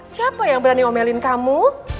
siapa yang berani omelin kamu